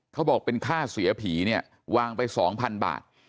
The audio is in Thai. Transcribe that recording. เขาบอกเป็นข้าเสียผีเนี่ยวางไปสองพันบาท